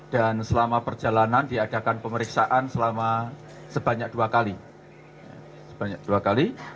dan selama perjalanan diadakan pemeriksaan selama sebanyak dua kali